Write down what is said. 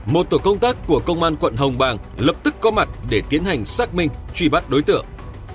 một tổ công tác của công an quận hồng bàng lập tức có mặt để tiến hành xác minh truy bắt đối tượng